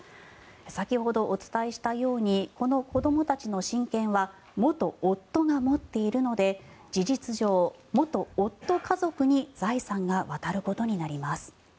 先ほどお伝えしたようにこの子どもたちの親権は元夫が持っているので事実上、元夫家族に財産が渡ることになります。